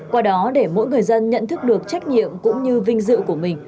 qua đó để mỗi người dân nhận thức được trách nhiệm cũng như vinh dự của mình